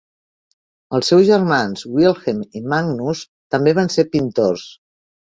Els seus germans Wilhelm i Magnus també van ser pintors.